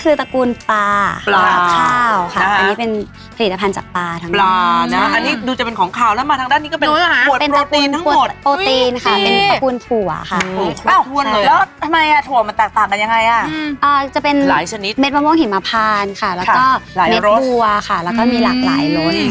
แกจะขอนะสว๒๐๕๐ที่ปรากมัดค่ะอันนี้เป็นมะพร้าวกลอกอาจจะคุ้นคลัยแบบนี้อ่ะอันนี้คือตระกูลปลากลากคลาว